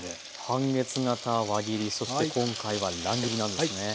半月形輪切りそして今回は乱切りなんですね。